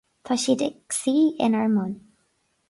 Tá siad ag suí inár mbun.